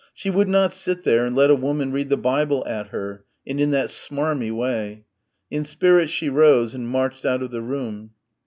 She would not sit there and let a woman read the Bible at her ... and in that "smarmy" way.... In spirit she rose and marched out of the room.